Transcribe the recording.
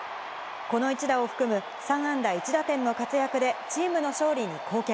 この一打を含む３安打１打点の活躍でチームの勝利に貢献。